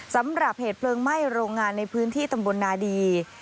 สำหรับเหตุเพลิงไหม้โรงงานในพื้นที่ตำบลนาดี